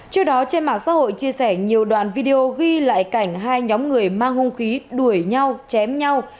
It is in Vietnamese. trước đó trên mạng xã hội chia sẻ nhiều đoạn video ghi lại cảnh hai nhóm người mang hung khí đuổi nhau chém nhau